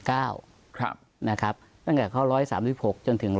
ตั้งแต่ข้อ๑๓๖จนถึง๑๓๙